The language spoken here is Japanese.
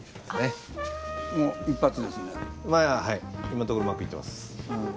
今のところうまくいってます。